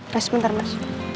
res sebentar mas